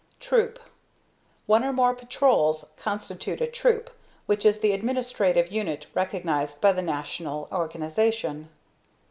Troop. One or more Patrols constitute a Troop which is the administrative unit recognized by the National organization.